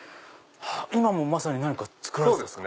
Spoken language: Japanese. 今も何か作られてたんですか？